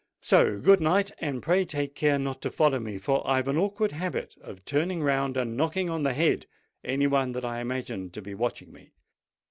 So good night—and pray take care not to follow me; for I've an awkward habit of turning round and knocking on the head any one that I imagine to be watching me."